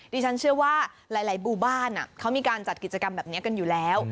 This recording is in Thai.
ดิฉันเชื่อว่าหลายหมู่บ้านเขามีการจัดกิจกรรมแบบนี้กันอยู่แล้ว